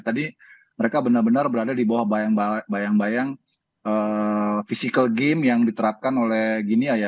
tadi mereka benar benar berada di bawah bayang bayang physical game yang diterapkan oleh gini ya